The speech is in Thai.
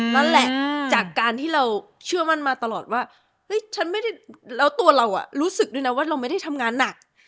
นั่นแหละจากการที่เราเชื่อมั่นมาตลอดว่าเฮ้ยฉันไม่ได้แล้วตัวเรารู้สึกด้วยนะว่าเราไม่ได้ทำงานหนัก